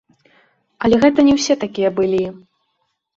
Але гэта не ўсе такія былі.